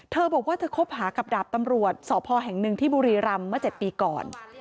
เธอบอกว่าเธอคบหากับดาบตำรวจสพแห่งหนึ่งที่บุรีรำเมื่อ๗ปีก่อน